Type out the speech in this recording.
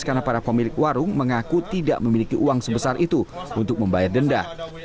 karena para pemilik warung mengaku tidak memiliki uang sebesar itu untuk membayar denda